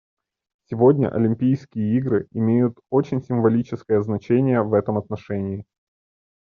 Сегодня Олимпийские игры имеют очень символическое значение в этом отношении.